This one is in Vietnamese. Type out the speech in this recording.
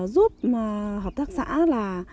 giúp hợp tác xã